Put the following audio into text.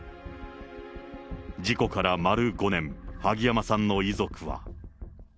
事故から丸５年、萩山さんの遺族は。